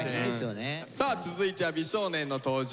さあ続いては美少年の登場です。